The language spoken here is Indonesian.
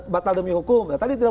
batal demi hukum ya tadi tidak